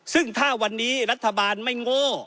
ซึ่งถ้าวันนี้รัฐบาลไม่โง่